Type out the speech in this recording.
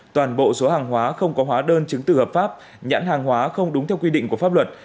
toàn bộ số hàng hóa không có hóa đơn chứng từ hợp pháp nhãn hàng hóa không đúng theo quy định của pháp luật